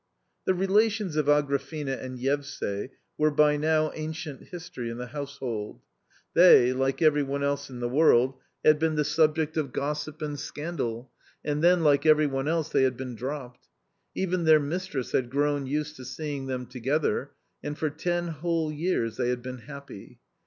The relations of A grafena and Yevsay were by now ancient history in the household. They, like every one else in the world, had been the subject of gossip and scandal, t and then like every one else they had been dropped. Even their mistress had grown used to seeing them together, and ' for ten whole years they had been happy.